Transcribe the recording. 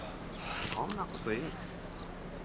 そんなこと言うな。